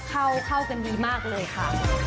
เข้ากันดีมากเลยค่ะ